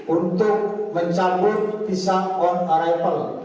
untuk mencabut pisang on a rifle